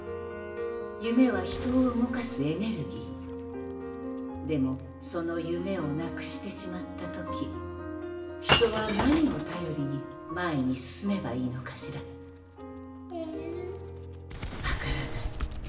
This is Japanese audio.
夢は人を動かすエネルギーでもその夢をなくしてしまった時人は何をたよりに前に進めばいいのかしらえるぅ分からない